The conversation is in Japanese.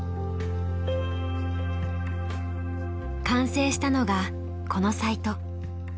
完成したのがこのサイト。